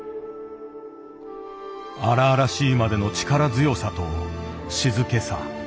荒々しいまでの力強さと静けさ。